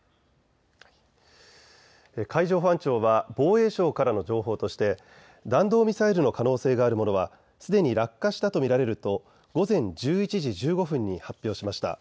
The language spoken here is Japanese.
海上保安庁は防衛省からの情報として弾道ミサイルの可能性があるものはすでに落下したと見られると午前１１時１５分に発表しました。